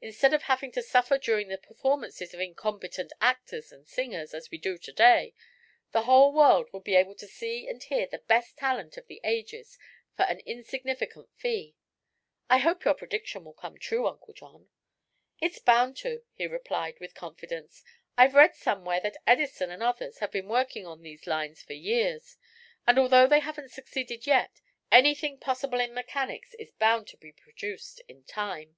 Instead of having to suffer during the performances of incompetent actors and singers, as we do to day, the whole world would be able to see and hear the best talent of the ages for an insignificant fee. I hope your prediction will come true, Uncle John." "It's bound to," he replied, with confidence. "I've read somewhere that Edison and others have been working on these lines for years, and although they haven't succeeded yet, anything possible in mechanics is bound to be produced in time."